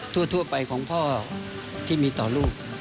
ทั่วไปของพ่อที่มีต่อลูก